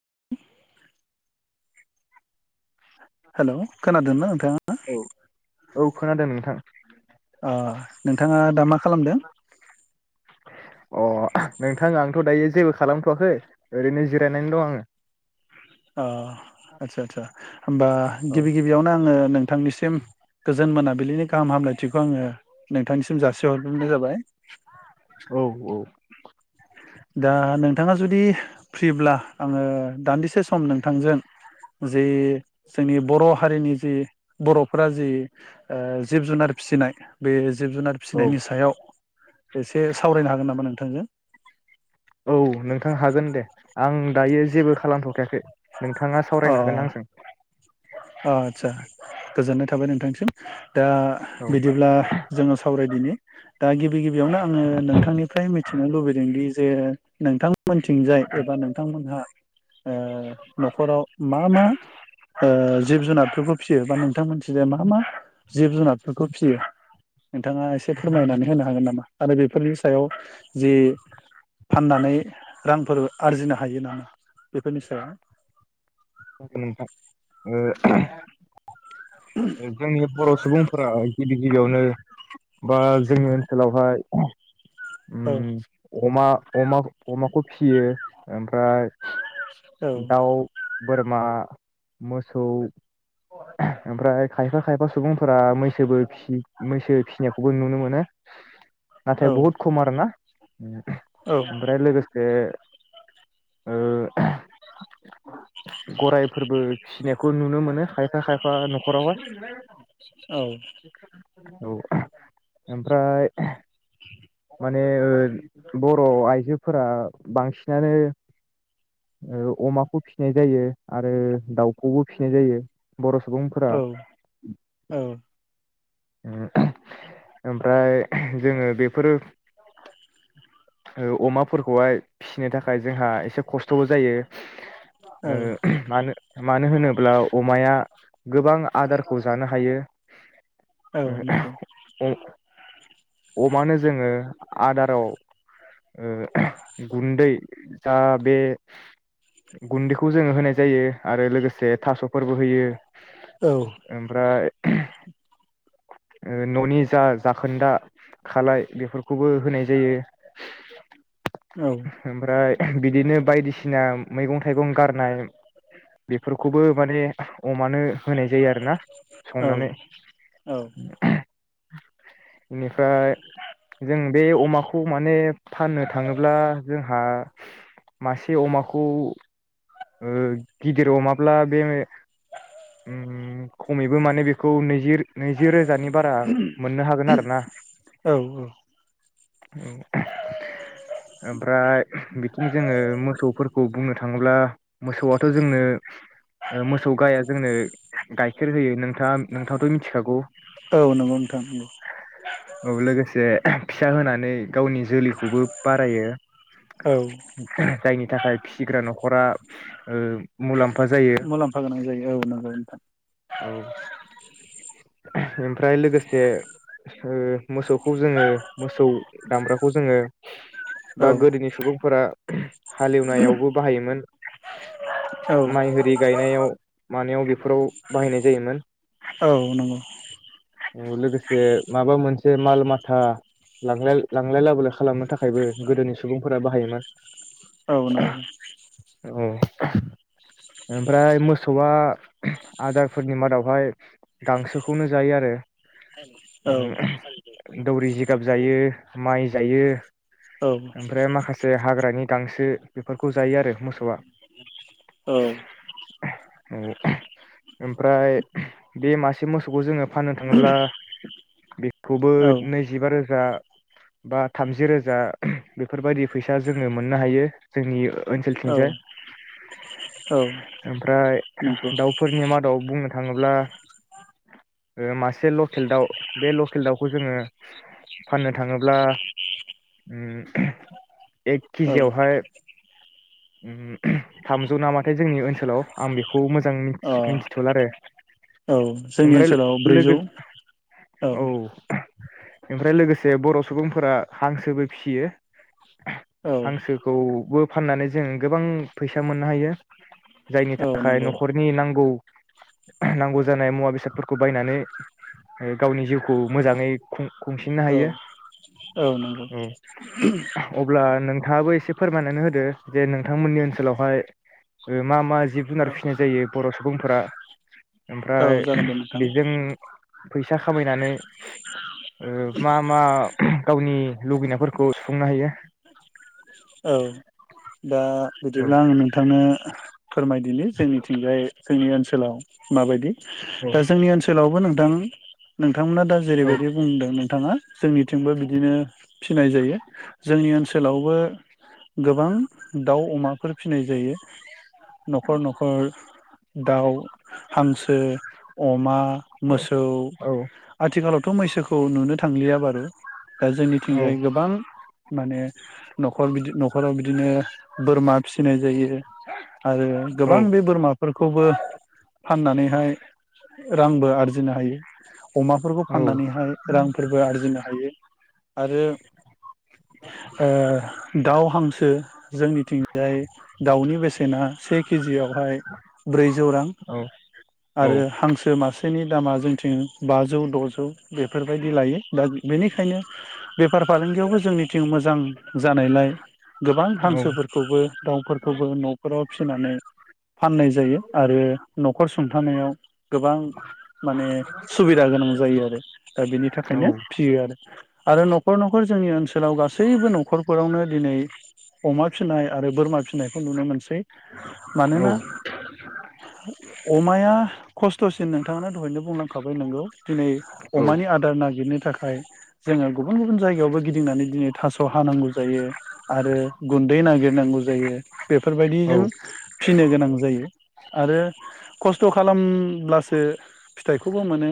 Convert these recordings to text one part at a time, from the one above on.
[unintelligible] हेल खोनादोंना नोंथाङा? औ औ खोनादों नोंथां ओ नोंथाङा दा मा खालामदों अ नोंथां आंथ दायो जेबो खालामथवाखै ओरैनो जिरायनानै दं आंङो। अ आच्छा आच्छा होमबा गिबि गिबियावनो आंङो नोंथांनिसिम गोजोन मोनाबिलिनि गाहाम हामलायथिखौ आंङो नोंथांनिसिम जासिहरगोनाय जाबाय। औ औ दा नोंथाङा जुदि फ्रिब्ला आङो दान्दिसे सम नोंथांजों जि जोंनि बर' हारिनि जि बर'फोरा जि ओ जिब जुनार फिसिनाय बे जिब जुनार औ फिसिनायनि सायाव एसे सावरायनो हागोन नामा नों नोंथांजों? औ नोंथां हागोन दे आं दायो जेबो खालामथ'खायाखै नोंथाङा सावरायनो हागोन आंजों। अ आदसा गोजोननाय थाबाय नोंथांनिसिम। दा औ बिदिब्ला जोङो सावरायदिनि। दा गिबि गिबियावनो आङो नोंथांनिफ्राय मिथिनो लुबैदोंदि जे नोंथां मोननिथिंजाय एबा नों [unintelligible] ओ न'खराव मा मा ओ जिब जुनारफोरखौ फियो बा नोंथां मोनथिजों मा मा जिब जुनारफोरखौ फिसियो नोंथाङा एसे फोरमायनानै होनो हागोन नामा आरो बेफोरनि सायाव जि फाननानै रांफोर आरजिनो हायो नामा बेफोरनि सायाव। नोंथां ओ जोंनि बर' सुबुंफोरा गिबि गिबियावनो बा जोंनि ओनसोलावहाय औ उम अमा अमा अमाखौ फियो ओम औ बोरमा मोसौ ओमफ्राय खायफा खायफा सुबुंफोरा मैसोबो फिसि मैसो फिनायखौबो नुनो मोनो। औ नाथाय बहुत खम आरो ना औ ओमफ्राय लोगोसे ओ‌ गराइफोरबो फिसिनायखौ नुनो मोनो खायफा खायफा न'खरावहाय। औ औ ओमफ्राय माने ओ बर' आइजोफोरा बांसिनानो ओ अमाखौ फि सिनाय जायो आरो दाउखौबो फिसिनाय जायो। बर' सुबुंफोरा औ ओमफ्राय जोङो बेफोरो ओ अमाफोरखौहाय फिसिनो थाखाय जोंहा एसे खस्थ'बो जायो ओ मानो मानो होनोब्ला अमाया गोबां आदारखौ जानो हायो। औ नंगौ अ-अमानो जोङो आदाराव ओ गुन्दै दा बे गुन्दैखौ जोङो होनाय जायो आरो लोगोसे थास'फोरबो होयो औ । ओमफ्राय [inaudible] ओ न'नि जा जाखोन्दा खालाय बेफोरखौबो होनाय जायो औ ओमफ्राय बिदिनो बायदिसिना मैगं थाइगं गारनाय बेफोरखौबो माने अमानो होनाय जायो आरोना संनानै औ इनिफ्राय जों बे अमाखौ माने फाननो थाङोब्ला जोंहा मासे अमाखौ ओ गिदिर अमाब्ला बे उम खमैबो माने बेखौ नैजि नैजि रोजानि बारा मोननो हागोन आरो ना औ । ओमफ्राय बिथिं जोङो मोसौफोरखौ बुंनो थाङोब्ला मोसौआथ' जोंनो मोसौ गाया जोंनो गाइखेर होयो नोंथाङा नोंथांआथ' मिथि औ नोंगौ नोंथां नोंगौ औ लोगोसे फिसा होनानै गावनि जोलैखौबो बारायो, औ जायनि थाखाय फिसिग्रा न' खरा ओ मुलाम्फा जायो मुलाम्फा गोनां जायो औ नोंगौ नोंथां । औ ओमफ्राय लोगोसे ओ मोसौखौ जोङो मोसौ दामब्राखौ जोङो बा औ गोदोनि सुबुंफोरा हालेवनायावबो बाहायोमोन औ माइ होरि गायनायाव मानायाव बेफोराव बाहायनाय जायोमोन औ नंगौ औ लोगोसे माबा मोनसे माल माथा लां-लांलाय लाबोलाय खालामनो थाखायबो गोदोनि सुबुंफोरा बाहायोमोन । औ नंगौ औ ओमफ्राय मोसौआ आदारफोरनि मादावहाय गांसोखौनो जायो आरो औ । दौरि जिगाब जायो माइ जायो ओमफ्राय माखासे हाग्रानि गांसो बेफोरखौ जायो आरो मोसौआ। औ औ ओमफ्राय बे मासे मोसौखौ जोङो फाननो थाङोब्ला बे खौबो नैजिबा रोज रोजा बा थामजि रोजा बेफोरबायदि फैसा जोङो मोननो हायो जोंनि ओनसोलथिंजाय। औ नंगौ। फोरनि मादाव बुंनो थाङोब्ला मासे लकेल दाउ बे ओ लकेल दाउखौ जोङो फाननो थाङोब्ला ओम एक अ केजियावहाय ओम थामजौ नामाथाय जोंनि ओनसोलाव आं बेखौ मोजां मिथिथ'ला आरो। औ जोंनि ओमफ्राय ओनसोलाव लोगो ब्रैजौ औ। ओमफ्राय लोगोसे बर' सुबुंफोरा हांसोबो फिसियो औ हांसोखौबो फाननानै जों गोबां फैसा मोननो हायो जायनि औ थाखाय नंगौ न'खरनि नां गौ नांगौ जानाय मुवा बेसादफोरखौ बायनानै गावनि जिउखौ मोजाङै खुंसिननो औ औ नंगौ हायो अब्ला नोंथाङाबो एसे फोरमायनानै होदो जे नोंथांमोननि ओनसोलावहाय मा मा जिब औ जुनार फिसिनाय जायो? बर' सुबुंफोरा औ ओमफ्राय जागोन दे नोंथां बेजों फैसा खामायनानै ओ मा मा गावनि लुगैनायफोरखौ सुफुंनो हायो? औ दा बिदिब्ला आं नोंथांनो फोरमायदिनि जोंनिथिंजाय जोंनि ओनसो सोलाव माबायदि औ दा जोंनि ओनसोलाव नोंथां नोंथांमोना दा औ जेरैबायदि बुंदों नोंथाङा जोंनिथिंबो बिदिनो फिनाय जायो जोंनि ओनसोलावबो गोबां दाउ अमाफोर फिनाय जायो। न'खर न'खर दाउ हांसो अमा मोसौ औ आथिखालाव थ' मैसोखौ नुनो थांलिया बारु दा जोंनिथिंजाय गोबां माने न'खर बिदि न'खराव बिदिनो। बोरमा फिसिनाय जायो। आरो औ गोबां बे बोरमाफोरखौबो फाननानैहाय रांबो आरजिनो हायो। [unintelligible] अमाफोरखौ औ फाननानैहाय रांफोरबो आरजिनो हायो आरो ओ दाउ हांसो जोंनिथिंजाय दाउनि बेसेना से केजियावहाय ब्रैजौ रां औ आरो हांसो मासे नि दामा जोंथिं बाजौ द'जौ। बेफोरबायदि लायो दा बेनिखायनो बेफार फालांगियावबो जोंनिथिं मोजां जानायलाय गोबां हांसोफोरखौबो दाउफोरखौबो न'फोराव फिसिनानै फाननाय जायो आरो न'खर सुंथानायाव गोबां माने सुबिदा गोनां जायो आरो दा बिनि औ थाखायनो फियो आरो आरो न'खर न'खर जोंनि ओनसोलाव गासैबो न'खरफोरावनो दिनै अमा फिसिनाय आरो बोरमा फिसिनायखौ नुनो मोनसै मानोना अमाया खस्थ'सिन नोंथाङा दहायनो बुंलांखाबाय नोंगौ दिनै अमानि आदार नागिरनो थाखाय फाय जोङो गुबुन गुबुन जायगायावबो गिदिंनानै दिनै थास' हानांगौ जायो आरो गुन्दै नागिरनांगौ जायो। औ बेफोरबायदिजों फिनो गोनां जायो आरो खस्थ' खालामब्लासो फिथाइखौबो मोनो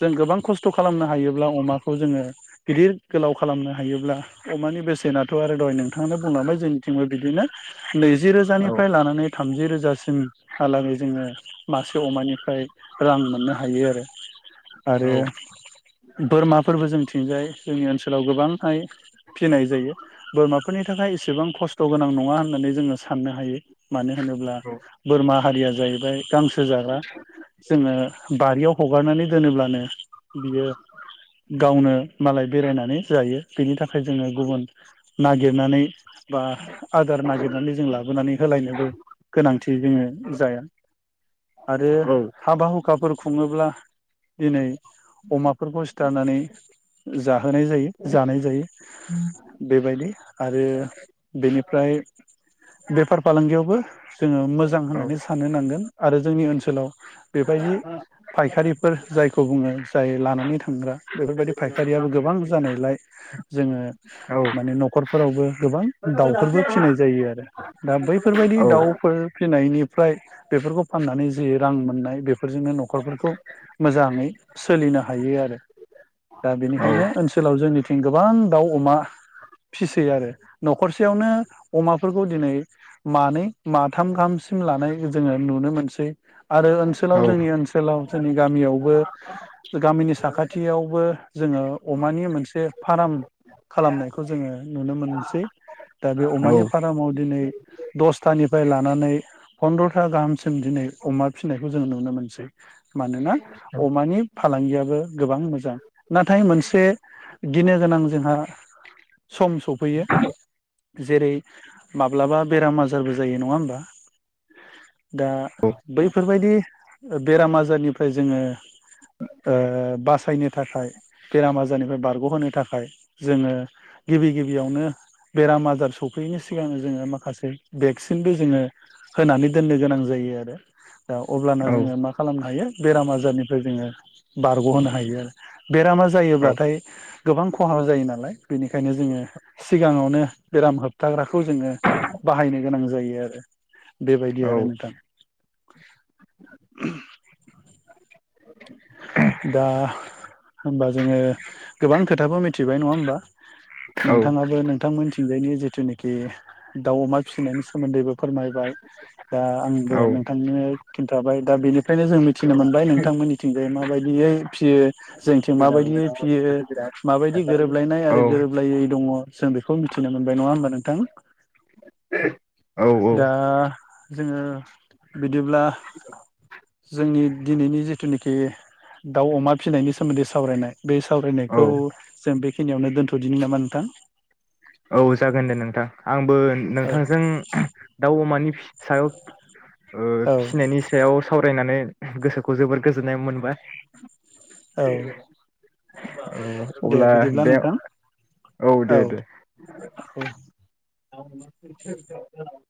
जों गोबां खस्थ' खालामनो हायोब्ला अमाखौ जोङो गिदिर गोलाव खालामनो हायोब्ला अमानि बेसेनाथ' आरो दहाय नोंथां बुंलांबाय जोंनिथिंबो बिदिनो नैजि रोजानिफ्राय लानानै थामजि रोजासिमहा लागै जोङो मासे अमानिफ्राय रां मोननो हायो आरो आरो बोरमाफोरबो जों थिंजाय जोंनि ओनसोलाव गोबांहाय फिनाय जायो बोरमाफोरनि थाखाय एसेबां खस्थ' गोनां नङा होननानै जोङो साननो हायो। मानो होनोब्ला बोरमा हारिया जाहैबाय गां जाग्रा जोङो बारियाव हगारनानै दोनोब्लानो बियो गावनो मालाय बेरायनानै जायो बिनि थाखाय जोङो गुबुन नागिरनानै बा आदार नागिरनानै जों लाबोनानै होलायनोबो गोनांथि जोङो जाया आरो हाबा हुखाफोर खुङोब्ला दिनै अमाफोरखौ सिथारनानै जाहोनाय जायो जानाय जायो बेबायदि आरो बेनिफ्राय बेफार फालांगियावबो जोङो मोज जां होननानै साननो नांगोन। आरो जोंनि ओनसोलाव बेबायदि फायखारिफोर जायखौ बुङो जाय लानानै थांग्रा बेफोरबायदि फायखारियाबो गोबां जानायलाय जोङो माने न'खरफोरावबो गोबां दाउफोरबो फिसिनाय जायो आरो। दा बैफोरबायदि औ दाउफोर फिसिनायनिफ्राय बेफोरखौ फाननानै जि रां मोननाय बे फोरजोंनो न'खरफोरखौ मोजाङै सोलिनो हायो आरो दा औ बेनिखायनो ओनसोलाव जोंनिथि गोबां दाउ-अमा फिसैयो आरो। न'खरसेयावनो अमाफोरखौ दिनै मानै माथाम गाहामसिम लानाय जोङो नुनो मोनसै। आरो औ ओनसोलाव जोंनि ओनसोलाव जोंनि गामियावबो गामिनि साखाथियावबो जोङो अमानि मोनसे फार्म खालामनायखौ जोङो नुनो मोनसै। दा बे अमानि फारामाव दिनै दसथानिफ्राय लानानै फन्द्र'था गाहाम जों दिनै अमा फिसिनायखौ जोंङो नुनो मोन [unintelligible] मानोना अमानि फालांगिया बो गोबां मोजां, नाथाय मोनसे गिनो गोनां जोंहा सम सफैयो। जेरै माब्लाबा बेराम आजारबो जायो नङा होमबा दा बैफोरबायदि बेराम आजारनिफ्राय जोंङो ओ बास फासायनो थाखाय बेराम आजारनिफ्राय बारग'होनो थाखाय जोंङो गिबि गिबियावनो बेराम आजार सफैयैनि सिगांनो जोंङो माखासे भेक्सिनबो जोंङो होनानै दोननो गोनां जायो आरो दा अब्लाना औ जोंङो मा खालामनो हायो बेराम आजारनिफ्राय जोंङो बारग'होनो हायो आरो बेरामा जायोब्लाथाय गोबां खहा जायो नालाय बेनिखायनो जोंङो सिगाङावनो बेराम होबथाग्राखौ जोंङो बाहायनो गोनां मोजां जायो आरो बेबायदि आरो नोंथां [unintelligible] दा होबा जोंङो गोबां खोथाबो मिथिबाय नङा होमबा औ नोंथाङाबो नोंथां मिथिंजायनि जिथुनाखि दाउ अमा फिसिनायनि सोमोन्दैबो फोरमायबाय दा आंबो औ नोंथांनो खिन्थाबाय दा बेनि ओंखायनो जों मिथिनो मोनबाय नोंथांमोन ओमफाय माबायदियै फिसियो जोंथिं माबायदियै फियो माबायदि गोरोबलायनाय आरो गोरोबलायै दङ। जों बेखौ मिथिनो मोनबाय नङा होमब नों थां औ दा जोंङो [inaudible] बिदिब्ला जोंनि दिनैनि जि जिथुनाखि दाउ अमा फिसिनायनि सोमोन्दै सावरायनाय। बे औ सावरायनायखौ जों बे। बेखिनियावनो दोन्थ'दिनि नामा नोंथां। औ जागोन दे नोंथां आं। औ नोंथांजों दाउ अमानि फि। सायावायाव। औ खिनायनि सायाव साव रायनानै गोसोखौ जोबोर गोजोननाय मोनबाय। औ [unintelligible] औ दे अब्ला बिदिब्ला दे नोंथां औ दे दे औ। [unintelligible]